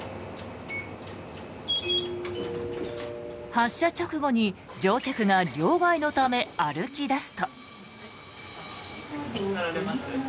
発車直後に乗客が両替のため歩き出すと。